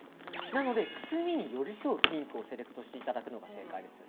なので、くすみに寄り添うピンクをセレクトしていただくのが正解です。